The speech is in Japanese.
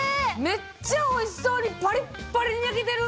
めっちゃおいしそうにパリッパリに焼けてる！